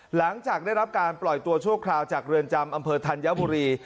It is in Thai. หลังจากได้รับการปล่อยตัวชั่วคราวจากเรือนจำอำเภอธัญบุรี